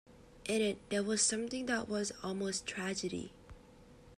In it there was something that was almost tragedy.